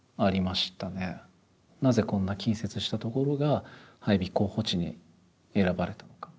なぜこんな近接した所が配備候補地に選ばれたのか。